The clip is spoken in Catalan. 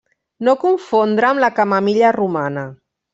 No confondre amb la camamilla romana.